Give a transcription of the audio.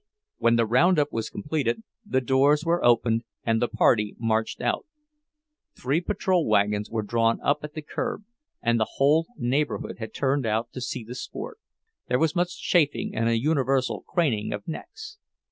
When the roundup was completed, the doors were opened and the party marched out. Three patrol wagons were drawn up at the curb, and the whole neighborhood had turned out to see the sport; there was much chaffing, and a universal craning of necks.